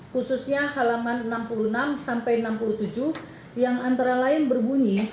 khususnya halaman enam puluh enam sampai enam puluh tujuh yang antara lain berbunyi